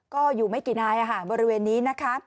ก็อยู่ไม่กี่นายอาหารบริเวณนี้